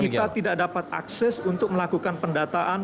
kita tidak dapat akses untuk melakukan pendataan